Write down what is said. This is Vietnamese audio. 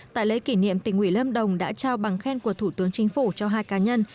tại lễ kỷ niệm tỉnh ủy lâm đồng đã trao bằng khen của thủ tướng chính phủ cho hai cá nhân